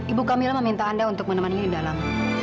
ibu kamilah meminta anda untuk menemani dia di dalam